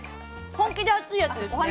本気で熱いやつですね。